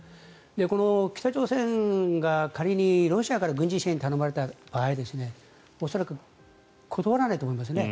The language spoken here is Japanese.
この北朝鮮が仮にロシアから軍事支援を頼まれた場合恐らく断らないと思いますね。